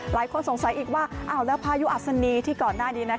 หลายคนสงสัยอีกว่าอ้าวแล้วพายุอัศนีที่ก่อนหน้านี้